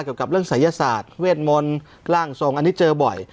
เกี่ยวกับเรื่องศัยศาสตร์เวทมนต์ร่างทรงอันนี้เจอบ่อย